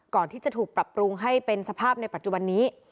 ก่อนที่จะถูกปรับปรุงให้เป็นสภาพในปัจจุบันนี้